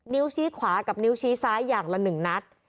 นิ้วชี้ขวากับนิ้วชี้ซ้ายอย่างละหนึ่งนัด